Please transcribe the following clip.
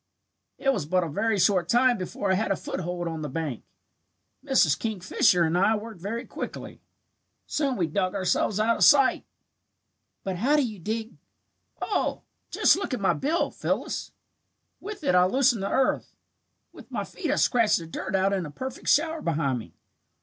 "It was but a very short time before I had a foothold on the bank. Mrs. Kingfisher and I worked very quickly. Soon we dug ourselves out of sight." "But how do you dig " "Oh, just look at my bill, Phyllis. With it I loosen the earth. With my feet I scratch the dirt out in a perfect shower behind me.